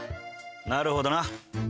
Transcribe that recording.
なるほどな。